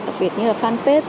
đặc biệt như là fanpage